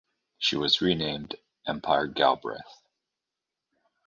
She was renamed "Empire Galbraith".